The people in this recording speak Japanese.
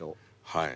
はい。